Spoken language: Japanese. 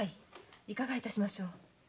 いかが致しましょう？